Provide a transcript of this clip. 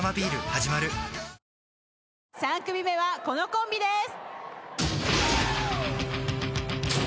はじまる３組目はこのコンビです。